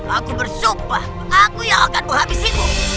aku bersumpah aku yang akan kuhabisiku